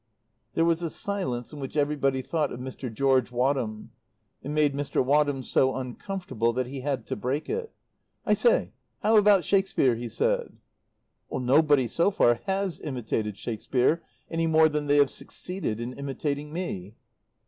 There was a silence in which everybody thought of Mr. George Wadham. It made Mr. Wadham so uncomfortable that he had to break it. "I say, how about Shakespeare?" he said. "Nobody, so far, has imitated Shakespeare, any more than they have succeeded in imitating me."